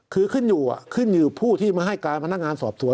คือขึ้นอยู่ผู้ที่มาให้การพนักงานสอบสวน